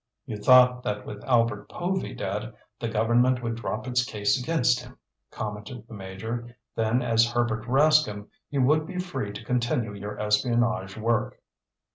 "You thought that with Albert Povy dead, the government would drop its case against him," commented the Major. "Then as Herbert Rascomb you would be free to continue your espionage work."